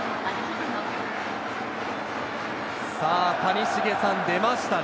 谷繁さん、出ましたね。